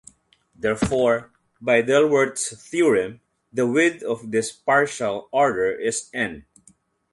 Therefore, by Dilworth's theorem, the width of this partial order is "n".